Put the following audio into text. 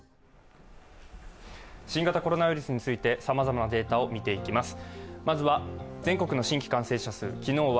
新型コロナウイルスについてさまざまなデータを見ていきます。